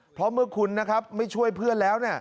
เพราะเมื่อคุณนะครับไม่ช่วยเพื่อนแล้ว